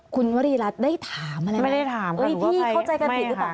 คุณวรีรัฐได้ถามอะไรไม่ได้ถามพี่เข้าใจกันผิดหรือเปล่า